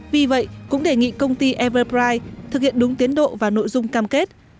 vì vậy cũng đề nghị công ty everbrigh thực hiện đúng tiến độ và nội dung cam kết